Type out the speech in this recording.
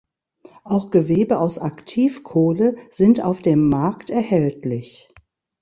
Auch Gewebe aus Aktivkohle sind auf dem Markt erhältlich.